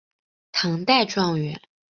唐代状元。